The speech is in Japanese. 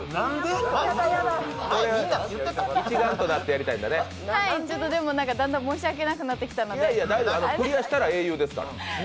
でもなんか、だんだん申し訳なくなってきたのでクリアしたら英雄やから。